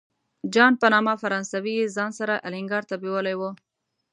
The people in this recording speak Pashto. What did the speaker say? جان په نامه فرانسوی یې ځان سره الینګار ته بیولی و.